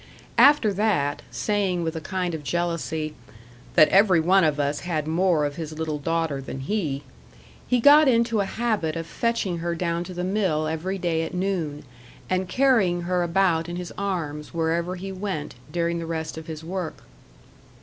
After that, saying with a kind of jealousy "that every one of us had more of his little daughter than he," he got into a habit of fetching her down to the mill every day at noon, and carrying her about in his arms, wherever he went, during the rest of his work.